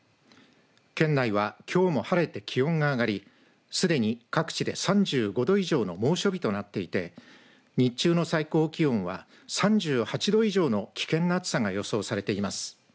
県内はきょうも晴れて気温が上がりすでに各地で３５度以上の猛暑日となっていて日中の最高気温は３８度以上の危険な暑さが予想されています。